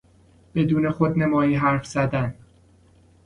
بدون خودنمایی حرف زدن